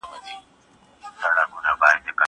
کار وکړه!!